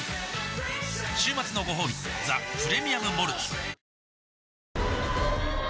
週末のごほうび「ザ・プレミアム・モルツ」おおーー